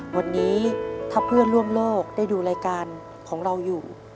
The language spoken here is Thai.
วันนี้ถ้าเพื่อนร่วมโลกได้ดูรายการของเราอยู่